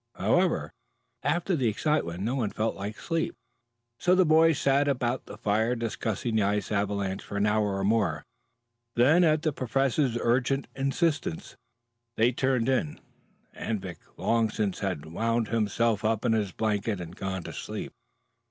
However, after the excitement no one felt like sleep, so the boys sat about the fire discussing the ice avalanche for an hour or more. Then, at the Professor's urgent insistence, they turned in. Anvik long since had wound himself up in his blanket and gone to sleep.